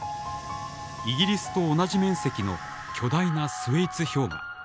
イギリスと同じ面積の巨大なスウェイツ氷河。